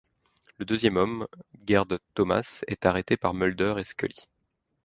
Le deuxième homme, Gerd Thomas, est arrêté par Mulder et Scully.